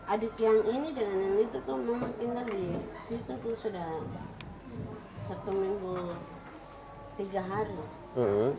adik yang ini dengan yang itu tuh mama tinggal di situ sudah satu minggu tiga hari